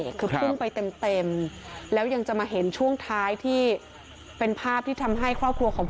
คือคลุ้มไปเต็มแล้วยังจะมาเห็นช่วงท้ายที่เป็นภาพที่ทำให้ครอบครัวของผู้เสียชีวิต